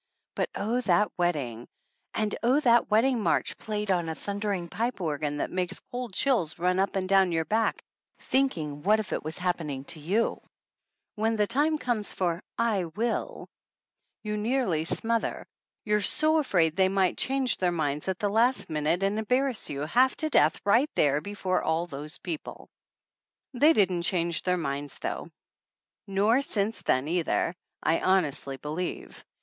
But oh, that wedding ! And oh, that wedding march played on a thundering pipe organ that makes cold chills run up and down your back thinking what if it was happening to you ! When the time comes for "I will" you nearly smother, 33 THE ANNALS OF ANN you're so afraid they might change their minds at the last minute and embarrass you half to death right there before all those people. They didn't change their minds then, though, nor since then either, I honestly believe.